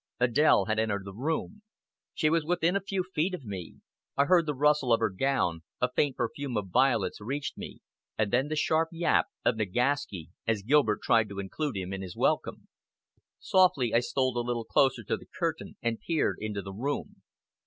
Adèle had entered the room. She was within a few feet of me. I heard the rustle of her gown, a faint perfume of violets reached me, and then the sharp yap of Nagaski, as Gilbert tried to include him in his welcome. Softly I stole a little closer to the curtain, and peered into the room.